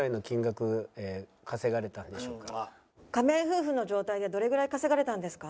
仮面夫婦の状態でどれぐらい稼がれたんですか？